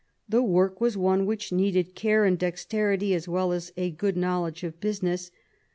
The work was one which needed care and dexterity as well as a good knowledge of business.